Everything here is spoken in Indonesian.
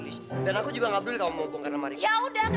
irmi jelas dapatnya